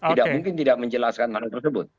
tidak mungkin tidak menjelaskan hal tersebut